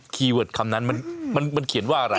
ีเวิร์ดคำนั้นมันเขียนว่าอะไร